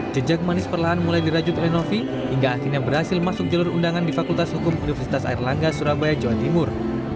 jejak manis perlahan mulai dirajut oleh novi hingga akhirnya berhasil masuk jalur undangan di fakultas hukum universitas airlangga surabaya jawa timur